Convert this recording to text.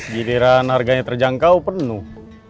gile ran harganya terjangkau penuh